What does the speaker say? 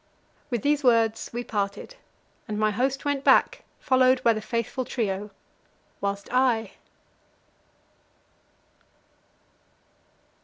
With these words we parted, and my host went back, followed by the faithful trio, whilst I